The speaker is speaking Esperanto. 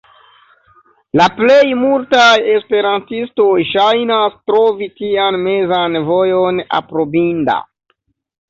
La plej multaj esperantistoj ŝajnas trovi tian mezan vojon aprobinda.